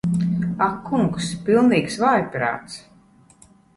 Ak kungs. Pilnīgs vājprāts.